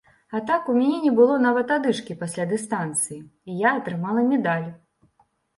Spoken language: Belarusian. А так у мяне не было нават адышкі пасля дыстанцыі, і я атрымала медаль.